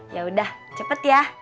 yaudah cepet ya